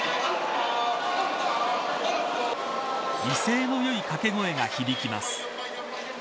威勢のよい掛け声が響きます。